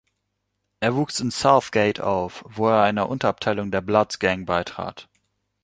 Er wuchs in South Gate auf, wo er einer Unterabteilung der Bloods-Gang beitrat.